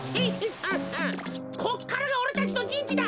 こっからがおれたちのじんちだ。